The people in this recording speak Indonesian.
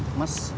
selamat siang mas